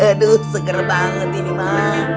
aduh seger banget ini ma